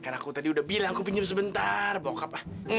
kan aku tadi udah bilang aku pinjam sebentar bokap